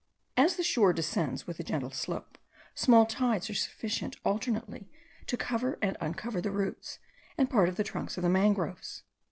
As the shore descends with a gentle slope, small tides are sufficient alternately to cover and uncover the roots and part of the trunks of the mangroves.